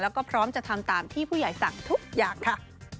แล้วก็พร้อมจะทำตามที่ผู้ใหญ่สั่งทุกอย่างค่ะ